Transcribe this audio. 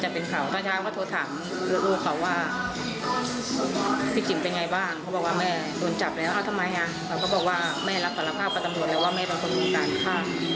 ใช่นะแม่เขารับสำหรับแม่เขามา